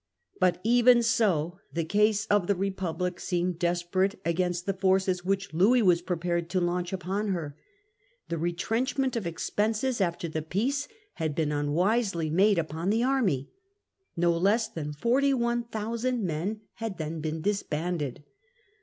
But even so the case, of the Republic seemed despe rate against the forces which Louis was prepared to launch upon her. The retrenchment of ex ness o?thc penses after the peace had been unwisely against a made upon the army. No less than 41,000 land inva men had then been disbanded.